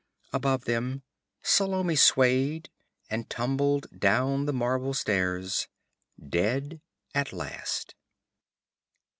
Above them Salome swayed and tumbled down the marble stairs, dead at last.